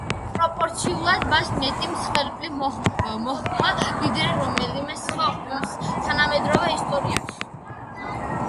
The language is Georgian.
პროპორციულად, მას მეტი მსხვერპლი მოჰყვა, ვიდრე რომელიმე სხვა ომს თანამედროვე ისტორიაში.